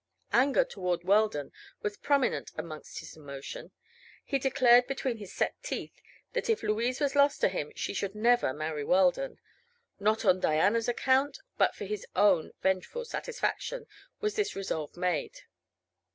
Anger toward Weldon was prominent amongst his emotion. He declared between his set teeth that if Louise was lost to him she should never marry Weldon. Not on Diana's account, but for his own vengeful satisfaction was this resolve made.